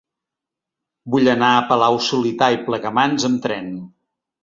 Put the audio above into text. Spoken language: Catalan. Vull anar a Palau-solità i Plegamans amb tren.